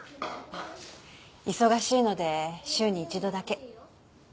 忙しいので週に一度だけ。